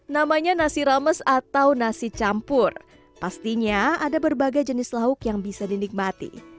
namanya nasi rames atau nasi campur pastinya ada berbagai jenis lauk yang bisa dinikmati